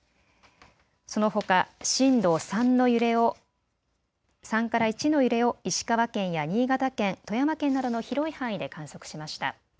そのほか震度３から１の揺れを石川県や新潟県、富山県などの広い範囲で観測しました。